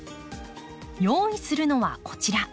用意するのはこちら。